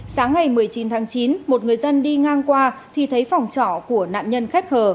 sáng ngày một mươi chín tháng chín một người dân đi ngang qua thì thấy phòng trọ của nạn nhân khép hờ